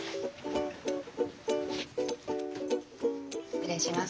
失礼します。